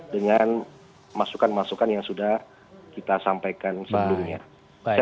dengan masukan masukan yang sudah kita sampaikan sebelumnya